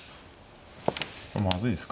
これまずいですか？